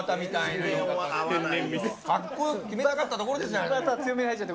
格好よく決めたかったところですよ。